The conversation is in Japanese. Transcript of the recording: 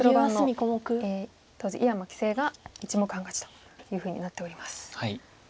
当時井山棋聖が１目半勝ちというふうになっております。